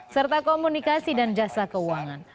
serta komunikasi dan jasa keuangan